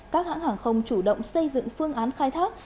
các hãng hàng không chủ động xây dựng phương án khai thác